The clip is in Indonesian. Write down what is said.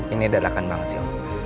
ini adalah kan bang sio